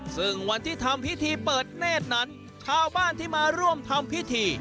ซึ่งวันที่ทำพิธีเปิดเนธนั้นชาวบ้านที่มาร่วมทำพิธี